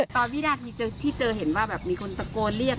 ตอนวิทยาจรรย์ที่เจอเห็นว่าแบบมีคนตะโกนเรียก